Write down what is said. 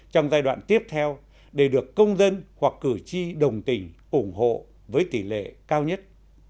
trong giai đoạn tiếp theo để được công dân hoặc cử tri đồng tình ủng hộ với tỷ lệ cao nhất